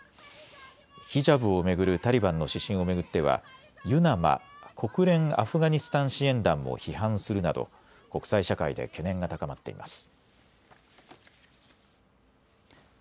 ヒジャブを巡るタリバンの指針を巡ってはＵＮＡＭＡ・国連アフガニスタン支援団も批判するなど国際社会で懸念が高まっています。